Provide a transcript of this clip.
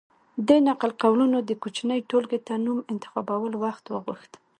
د نقل قولونو دې کوچنۍ ټولګې ته نوم انتخابول وخت وغوښت.